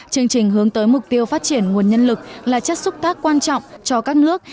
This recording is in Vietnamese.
chương trình hướng tới mục tiêu phát triển nguồn nhân lực là chất xúc tác quan trọng cho các nước